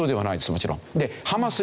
もちろん。